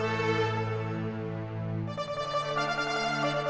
kenapa gak minta antar aku lagi